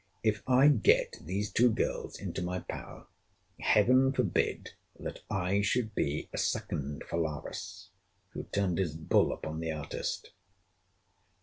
If I get these two girls into my power, Heaven forbid that I should be a second Phalaris, who turned his bull upon the artist!